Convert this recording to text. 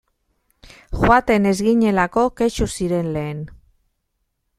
Joaten ez ginelako kexu ziren lehen.